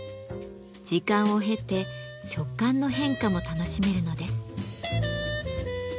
時間を経て食感の変化も楽しめるのです。